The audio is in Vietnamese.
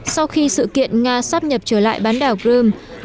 sau khi sự kiện nga sắp nhập trở lại bán đảo crimea